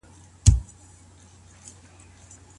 د مقابل لوري مزاج څنګه معلومولای سو؟